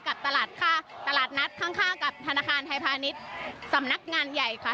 กับตลาดนัดข้างกับธนาคารไทยพาณิชย์สำนักงานใหญ่ค่ะ